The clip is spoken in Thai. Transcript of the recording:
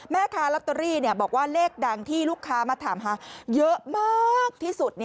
แม่ค้าลอตเตอรี่บอกว่าเลขดังที่ลูกค้ามาถามหาเยอะมากที่สุด